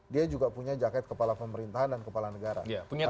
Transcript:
dia juga punya jaket kepala pemerintahan dan kepala negara